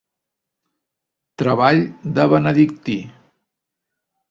Treball de benedictí.